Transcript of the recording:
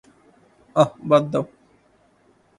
অহ, বাদ দাও।